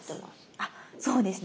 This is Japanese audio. あっそうですね。